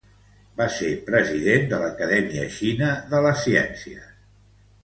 Va ser president de l'Acadèmia Xina de les Ciències.